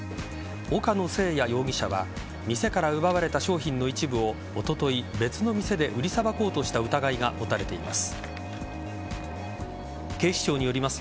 岡野誠也容疑者は店から奪われた商品の一部をおととい、別の店で売りさばこうとした疑いが持たれています。